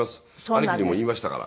兄貴にも言いましたから。